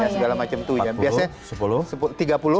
segala macam tujuan